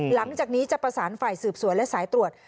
หลังจากนี้จะประสานฝ่ายสืบสวนและสายตรวจ